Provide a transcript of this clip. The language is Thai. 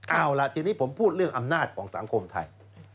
เอาล่ะทีนี้ผมพูดเรื่องอำนาจของสังคมไทย